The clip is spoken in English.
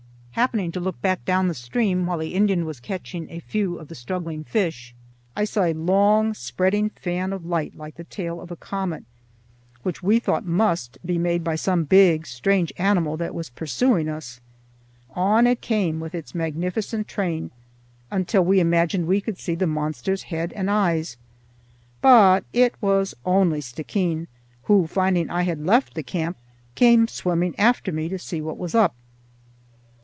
Happening to look back down the stream, while the Indian was catching a few of the struggling fish, I saw a long spreading fan of light like the tail of a comet, which we thought must be made by some big strange animal that was pursuing us. On it came with its magnificent train, until we imagined we could see the monster's head and eyes; but it was only Stickeen, who, finding I had left the camp, came swimming after me to see what was up.